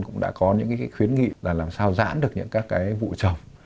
cũng đã có những khuyến nghị làm sao giãn được những các vụ trồng